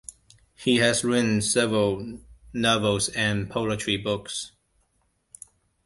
He has written several novels and poetry books.